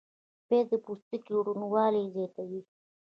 پیاز د پوستکي روڼوالی زیاتوي